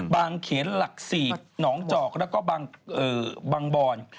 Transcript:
บางเขตหลักศีกหนองเจาะแล้วก็บางบ่อน